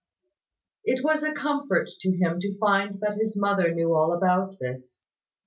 It was a comfort to him to find that his mother knew all about this.